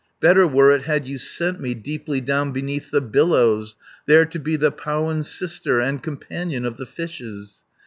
Better were it had you sent me Deeply down beneath the billows, There to be the powan's sister, And companion of the fishes.